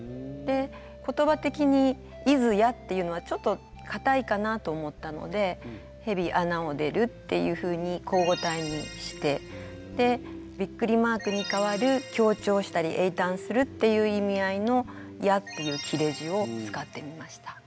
言葉的に「出づや」っていうのはちょっとかたいかなと思ったので「蛇穴を出る」っていうふうに口語体にしてで「！」に代わる強調したり詠嘆するっていう意味合いの「や」っていう切れ字を使ってみました。